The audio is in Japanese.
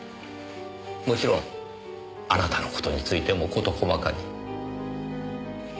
もちろんあなたの事についても事細かに。